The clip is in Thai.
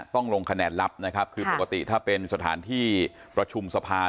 ต้องลงคะแนนลับนะครับคือปกติถ้าเป็นสถานที่ประชุมสภา